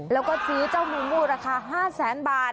แล้วก็ซื้อเจ้ามือมูราคา๕แสนบาท